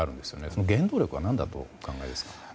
その原動力は何だとお考えですか？